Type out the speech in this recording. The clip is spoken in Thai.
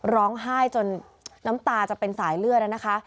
ร้องไห้จนน้ำตาจะเป็นสายเลือดนะคะ